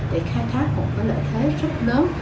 để khai thác một lợi thế rất lớn